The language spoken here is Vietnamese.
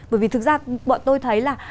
bởi vì thực ra bọn tôi thấy là